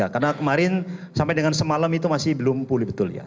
karena kemarin sampai dengan semalam itu masih belum pulih betul ya